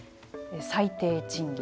最低賃金。